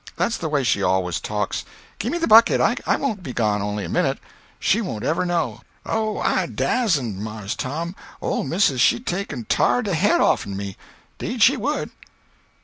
That's the way she always talks. Gimme the bucket—I won't be gone only a a minute. She won't ever know." "Oh, I dasn't, Mars Tom. Ole missis she'd take an' tar de head off'n me. 'Deed she would."